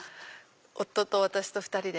夫と私と２人で。